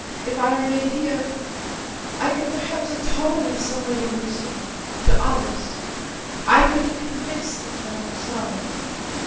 If I remained here, I could perhaps atone in some way to Lucy—to others; I could convince them that I'm sorry.